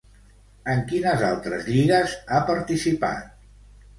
En quines altres lligues ha participat?